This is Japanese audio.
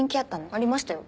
ありましたよ。